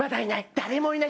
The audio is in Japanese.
誰もいない。